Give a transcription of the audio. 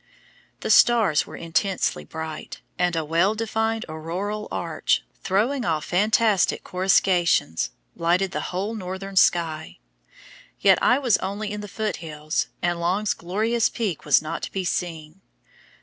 The stars were intensely bright, and a well defined auroral arch, throwing off fantastic coruscations, lighted the whole northern sky. Yet I was only in the Foot Hills, and Long's glorious Peak was not to be seen.